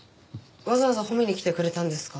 わざわざ褒めに来てくれたんですか？